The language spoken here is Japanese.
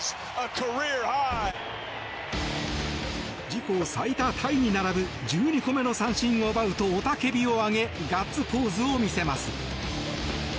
自己最多タイに並ぶ１２個目の三振を奪うと雄たけびを上げガッツポーズを見せます。